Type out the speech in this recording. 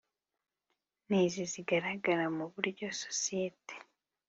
n izi zigaragara mu buryo sosiyete